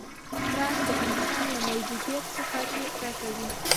پړانګ د انسان له موجودیت څخه تېښته کوي.